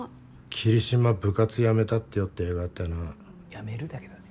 「桐島、部活やめたってよ」って映画あったよな「やめる」だけどね